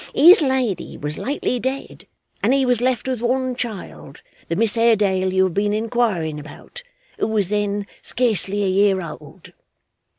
His lady was lately dead, and he was left with one child the Miss Haredale you have been inquiring about who was then scarcely a year old.